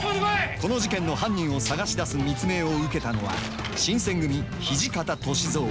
この事件の犯人を探し出す密命を受けたのは新選組土方歳三。